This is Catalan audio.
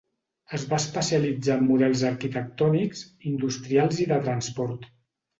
Es va especialitzar en models arquitectònics, industrials i de transport.